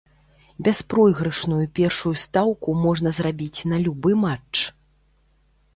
Бяспройгрышную першую стаўку можна зрабіць на любы матч.